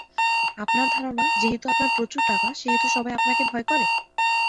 আপনার ধারণা, যেহেতু আপনার প্রচুর টাকা, সেহেতু সবাই আপনাকে ভয় করে?